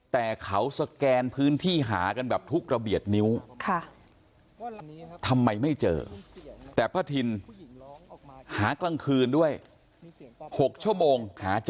แต่เขาสแกนพื้นที่หากันแบบทุกระเบียดนิ้วค่ะทำไมไม่เจอแต่พระทินหากลางคืนด้วยหกชั่วโมงหาเจอ